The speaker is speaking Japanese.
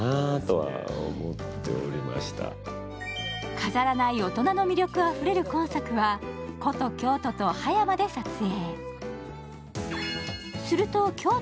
飾らない大人の魅力あふれる今作は古都・京都と葉山で撮影。